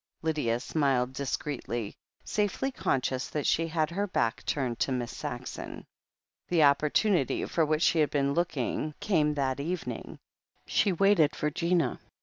Lydia smiled discreetly, safely conscious that she had her back turned to Miss Saxon. The opportunity for which she had been looking came that evening. She waited for Gina.